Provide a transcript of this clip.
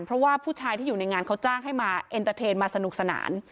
เพราะว่าผู้ชายที่อยู่ในงานเขาจ้างให้มาเอ็นเตอร์เทนมาสนุกสนาน